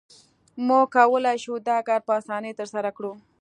موږ کولای شو دا کار په اسانۍ ترسره کړو